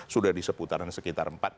sudah di seputaran sekitar empat